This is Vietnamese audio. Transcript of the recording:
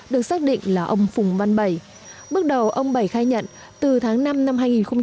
được xác định là ông phùng văn bảy bước đầu ông bảy khai nhận từ tháng năm năm hai nghìn một mươi ba